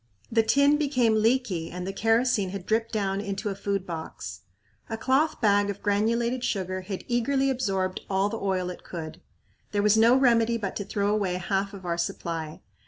The tin became leaky and the kerosene had dripped down into a food box. A cloth bag of granulated sugar had eagerly absorbed all the oil it could. There was no remedy but to throw away half of our supply.